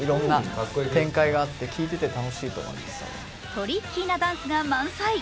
トリッキーなダンスが満載。